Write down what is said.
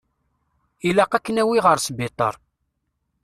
Ilaq ad k-nawi ɣer sbiṭar.